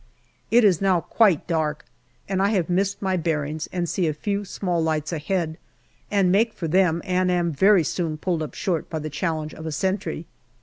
It is now quite dark and I have missed my bearings and see a few small lights ahead, and make for them and am very soon pulled up short by the challenge of a sentry.